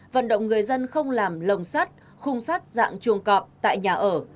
vận động người dân không làm lồng sắt khung sắt dạng chuồng cọp tại nhà ở